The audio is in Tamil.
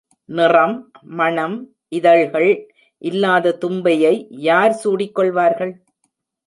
நிறம், மணம், இதழ்கள் இல்லாத தும்பையை யார் சூடிக் கொள்வார்கள்?